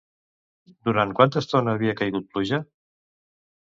Durant quanta estona havia caigut pluja?